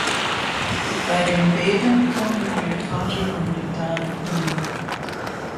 Bei dem Beben kommen ihr Vater und Dan um.